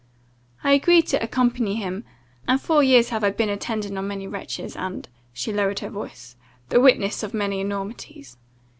"I agreed to accompany him; and four years have I been attendant on many wretches, and" she lowered her voice, "the witness of many enormities.